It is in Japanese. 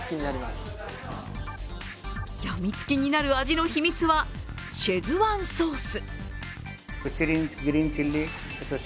やみつきになる味の秘密はシェズワンソース。